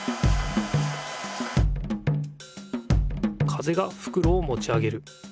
風がふくろをもち上げる。